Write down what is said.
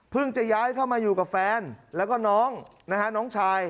จะย้ายเข้ามาอยู่กับแฟนแล้วก็น้องนะฮะน้องชาย